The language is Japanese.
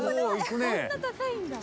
こんな高いんだ。